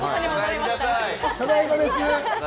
ただいまです。